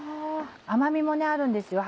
甘みもあるんですよ